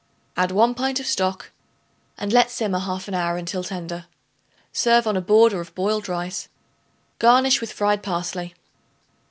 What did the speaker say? Add 1 pint of stock and let simmer half an hour until tender. Serve on a border of boiled rice; garnish with fried parsley. 16.